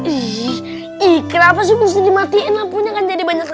ih ih ih kenapa sih bisa dimatiin lampunya kan jadi banyak